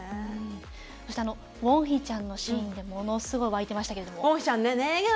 そしてウォンヒちゃんのシーンでものすごい沸いてましたけれども。